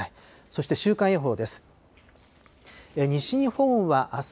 そして週間予報です。